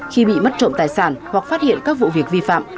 khi bị mất trộm tài sản hoặc phát hiện các vụ việc vi phạm